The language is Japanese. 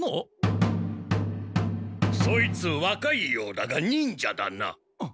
そいつわかいようだが忍者だな。